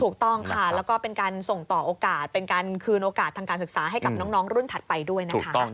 ถูกต้องค่ะแล้วก็เป็นการส่งต่อโอกาสเป็นการคืนโอกาสทางการศึกษาให้กับน้องรุ่นถัดไปด้วยนะคะ